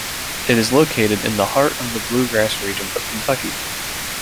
It is located in the heart of the Bluegrass region of Kentucky.